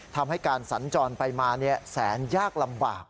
ทำให้การสัญจรไปมาแสนยากลำบาก